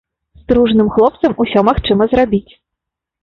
З дружным хлопцам усё магчыма зрабіць.